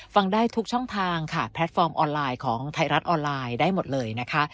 ฟังได้ทุกช่องทางค่ะแพลตฟอร์มออนไลน์ของไทยรัฐออนไลน์ได้หมดเลยนะคะ